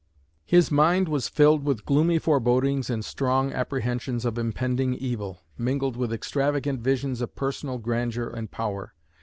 "His mind was filled with gloomy forebodings and strong apprehensions of impending evil, mingled with extravagant visions of personal grandeur and power.